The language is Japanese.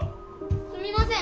すみません！